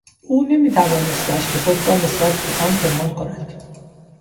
او نمیتوانست رشک خود را نسبت به من پنهان کند.